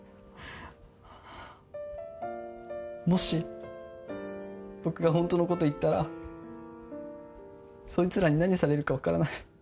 もし僕がホントのこと言ったらそいつらに何されるか分からない。